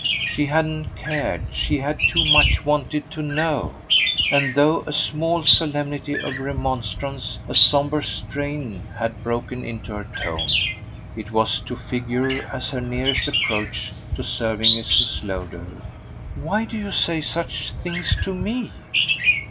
She hadn't cared; she had too much wanted to know; and, though a small solemnity of remonstrance, a sombre strain, had broken into her tone, it was to figure as her nearest approach to serving Mrs. Lowder. "Why do you say such things to me?"